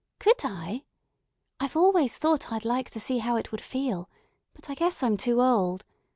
Could I? I've always thought I'd like to see how it would feel, but I guess I'm too old.